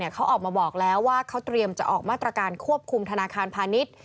เขาออกมาบอกแล้วว่าเขาเตรียมจะออกมาตรการควบคุมธนาคารพาณิชย์